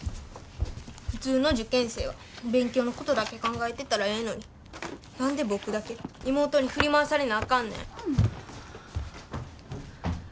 普通の受験生は勉強のことだけ考えてたらええのに何で僕だけ妹に振り回されなあかんねん。